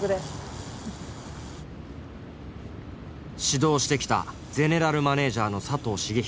指導してきたゼネラルマネージャーの佐藤成彦さん。